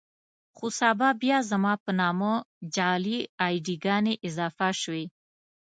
خو سبا بيا زما په نامه جعلي اې ډي ګانې اضافه شوې.